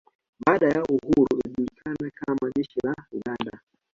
Baada ya uhuru ikijulikana kama jeshi la Uganda